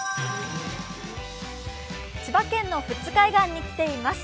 千葉県の富津海岸に来ています。